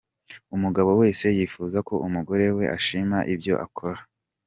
Umugabo wese yifuza ko umugore we ashima ibyo akora .